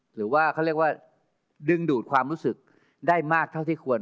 หรือว่าเขาเรียกว่าดึงดูดความรู้สึกได้มากเท่าที่ควร